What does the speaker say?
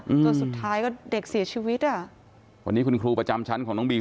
จนสุดท้ายก็เด็กเสียชีวิตอ่ะวันนี้คุณครูประจำชั้นของน้องบี